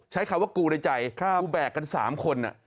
ใช้คำว่ากูในใจกูแบกกัน๓คน